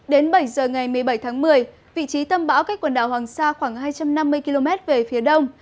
đến bảy giờ ngày một mươi bảy tháng một mươi vị trí tâm bão cách quần đảo hoàng sa khoảng hai trăm năm mươi km về phía đông